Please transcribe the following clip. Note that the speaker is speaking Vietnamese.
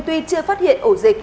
tuy chưa phát hiện ổ dịch